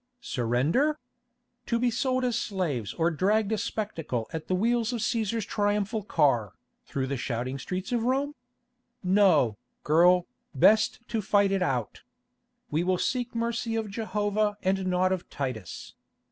"Surrender? To be sold as slaves or dragged a spectacle at the wheels of Cæsar's triumphal car, through the shouting streets of Rome? No, girl, best to fight it out. We will seek mercy of Jehovah and not of Titus.